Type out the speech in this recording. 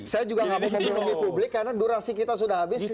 saya juga nggak mau membeli publik karena durasi kita sudah habis